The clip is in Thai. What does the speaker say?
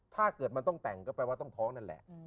ถ้าเกิดมันต้องแต่งก็แปลว่าต้องท้องนั่นแหละ